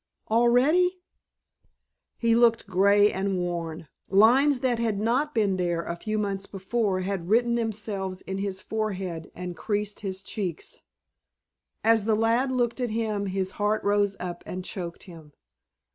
"Already?" He looked grey and worn. Lines that had not been there a few months before had written themselves in his forehead and creased his cheeks. As the lad looked at him his heart rose up and choked him.